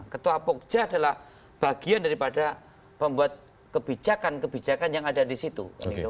ketua pokja adalah bagian daripada pembuat kebijakan kebijakan yang ada disitu